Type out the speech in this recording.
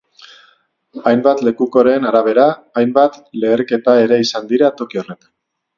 Hainbat lekukoren arabera, hainbat leherketa ere izan dira toki horretan.